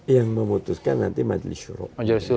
yang memutuskan nanti majlis syuruh